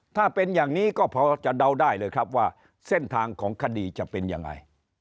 ถ้าเป็นอย่างนี้ก็พอจะเดาได้เลยครับว่าเส้นทางของคดีจะเป็นยังไง